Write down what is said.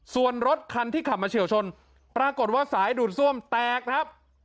ส่วนรถคันที่ขับมาเฉียวชนปรากฏว่าสายดูดซ่วมแตกครับ